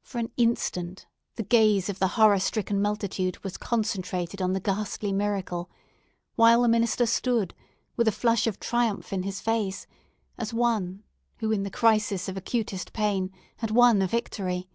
For an instant, the gaze of the horror stricken multitude was concentrated on the ghastly miracle; while the minister stood, with a flush of triumph in his face, as one who, in the crisis of acutest pain, had won a victory.